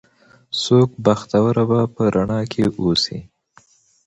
څوک بختوره به په رڼا کې اوسي